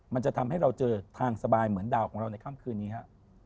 มันจะทำให้เราเจอทางสบายเหมือนดาวของเราในค่ำคืนนี้ฮะ